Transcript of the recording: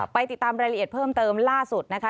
ไปติดตามรายละเอียดเพิ่มเติมล่าสุดนะคะ